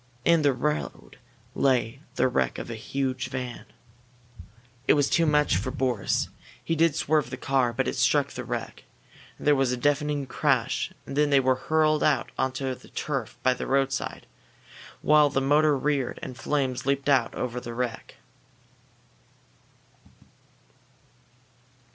In the road lay the wreck of a huge van. It was too much for Boris. He did swerve the car, but it struck the wreck. There was a deafening crash, and then they were hurled out onto the turf by the roadside, while the motor roared and flames leaped out over the wreck.